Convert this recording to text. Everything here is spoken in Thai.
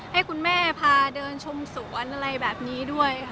ให้คุณแม่พาเดินชมสวนอะไรแบบนี้ด้วยค่ะ